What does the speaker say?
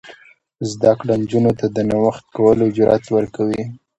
زده کړه نجونو ته د نوښت کولو جرات ورکوي.